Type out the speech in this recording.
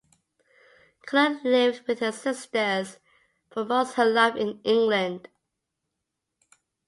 Cullen lived with her sisters for most her life in England.